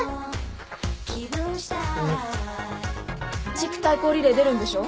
地区対抗リレー出るんでしょ？